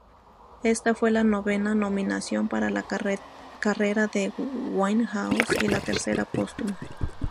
Esta fue la novena nominación para la carrera de Winehouse y la tercera póstuma.